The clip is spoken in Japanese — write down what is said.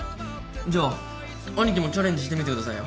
じゃアニキもチャレンジしてみてくださいよ。